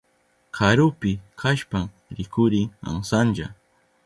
Karupi kashpan rikurin amsanlla.